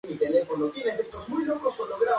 Yoshiki Yamamoto